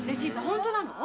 本当なの？